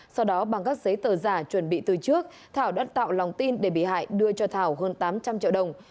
sau đó bằng các giấy tờ giả chuẩn bị từ trước thảo đã tạo lòng tin để bị hại đưa cho thảo hơn tám trăm linh triệu đồng